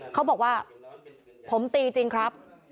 เขาบอกว่าผมตีจริงครับ